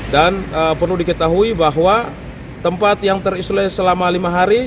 dan perlu diketahui bahwa tempat yang terisolir selama lima hari